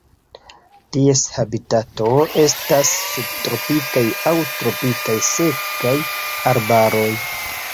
Ties habitato estas subtropikaj aŭ tropikaj sekaj arbaroj.